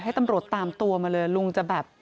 ให้ตำรวจตามตัวมาเลยลุงจะแบบ